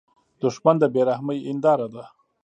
دښمن د بې رحمۍ هینداره ده